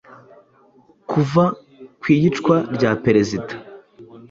Kuva ku iyicwa rya perezida